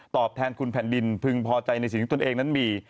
แทนคุณแผ่นดินพึงพอใจในสิ่งที่ตนเองนั้นมี